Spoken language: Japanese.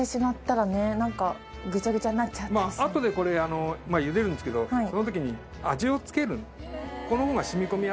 あとでこれゆでるんですけどそのときに味をつける。